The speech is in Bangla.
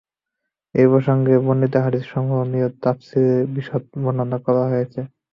এ প্রসঙ্গে বর্ণিত হাদীসসমূহ নিয়ে তাফসীরে বিশদভাবে বর্ণনা করা হয়েছে।